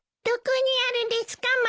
どこにあるですか？